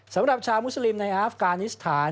สำหรับชาวมุสลิมในอาฟกานิสถาน